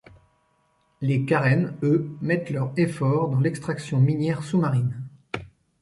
Les Quarren eux, mettent leur effort dans l'extraction minière sous-marine.